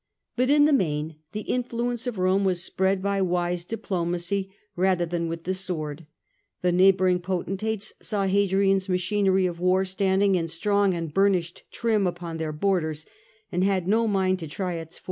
But in the main the influence of Rome was spread by wise diplomacy rather than with the sword. The neigh bouring potentates saw Hadrian's machinery of war He g.'iined Standing in strong and burnished trim upon more by their borders, and had no mind to try diplomacy.